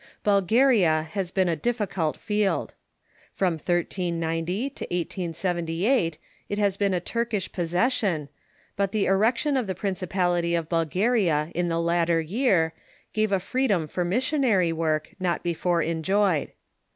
Bulgaria has been a difficult field. From 1390 to 1878 it had been a Turkish pos session, but the erection of the principality of Bulgaria in the latter year gave a freedom for missionary woi*k not before en joyed.